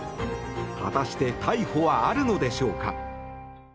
果たして逮捕はあるのでしょうか。